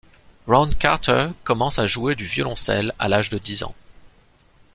Ron Carter commence à jouer du violoncelle à l'âge de dix ans.